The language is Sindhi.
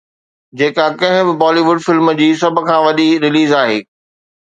جيڪا ڪنهن به بالي ووڊ فلم جي سڀ کان وڏي رليز آهي